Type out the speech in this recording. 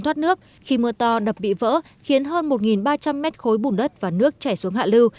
thoát nước khi mưa to đập bị vỡ khiến hơn một ba trăm linh mét khối bùn đất và nước chảy xuống hạ lưu